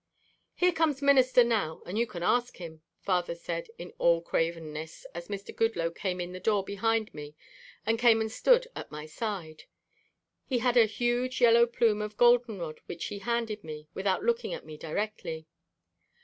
"Here comes Minister now and you can ask him," father said in all cravenness as Mr. Goodloe came in the door behind me and came and stood at my side. He had a huge yellow plume of goldenrod which he handed me without looking at me directly.